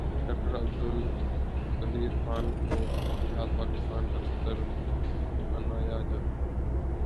doctor Abdul Qadeer Khan کو تا حیات پاکستان کا صدر بنایا جائے